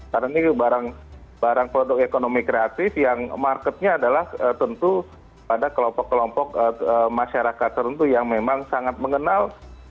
karena ini barang produk ekonomi kreatif yang marketnya adalah tentu pada kelompok kelompok masyarakat tertentu yang memang sangat mengenal